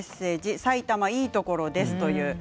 埼玉のいいところです。